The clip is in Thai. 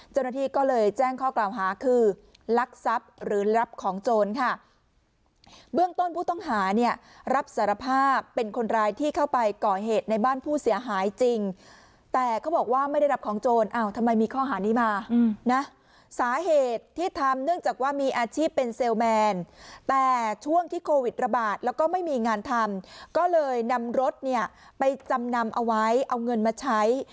เจ้าหน้าที่ก็เลยแจ้งข้อกล่าวหาคือลักทรัพย์หรือรับของโจรค่ะเบื้องต้นผู้ต้องหาเนี่ยรับสารภาพเป็นคนร้ายที่เข้าไปก่อเหตุในบ้านผู้เสียหายจริงแต่เขาบอกว่าไม่ได้รับของโจรอ้าวทำไมมีข้อหานี้มานะสาเหตุที่ทำเนื่องจากว่ามีอาชีพเป็นเซลแมนแต่ช่วงที่โควิดระบาดแล้วก็ไม่มีงานทำก็เลยนำรถเนี่ยไปจำนำเอาไว้เอาเงินมาใช้